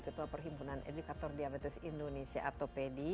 ketua perhimpunan edukator diabetes indonesia atau pdi